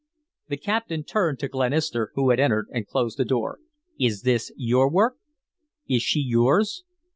The captain turned to Glenister, who had entered and closed the door. "Is this your work? Is she yours?"